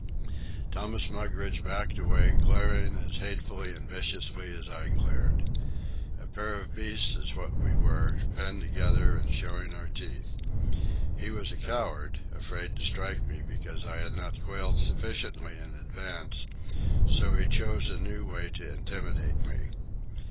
Thomas Mugridge backed away, glaring as hatefully and viciously as I glared. A pair of beasts is what we were, penned together and showing our teeth. He was a coward, afraid to strike me because I had not quailed sufficiently in advance; so he chose a new way to intimidate me.